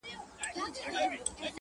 هر څه هماغسې مبهم پاتې کيږي,